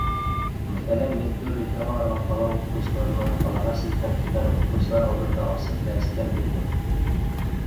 Мәҫәлән, мин төрлө темаларға ҡала уҡытыусыларына, ҡалаға ситтән килгән уҡытыусылар алдында асыҡ дәрестәр бирҙем.